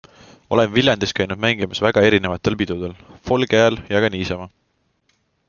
Olen Viljandis käinud mängimas väga erinevatel pidudel - folgi ajal ja ka niisama.